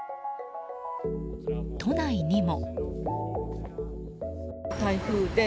都内にも。